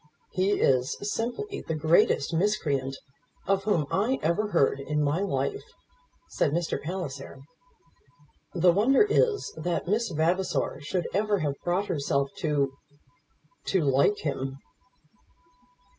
"He is simply the greatest miscreant of whom I ever heard in my life," said Mr. Palliser. "The wonder is that Miss Vavasor should ever have brought herself to to like him."